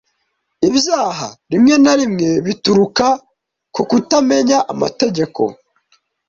Ibyaha rimwe na rimwe bituruka ku kutamenya amategeko.